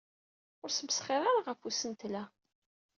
Ur smesxir ara ɣef usentel-a.